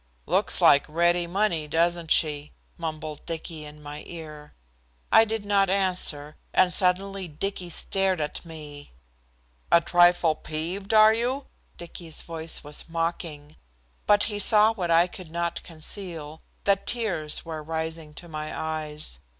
"Looks like ready money, doesn't she?" mumbled Dicky in my ear. I did not answer, and suddenly Dicky stared at me. "A trifle peeved, aren't you?" Dicky's voice was mocking. But he saw what I could not conceal, that tears were rising to my eyes.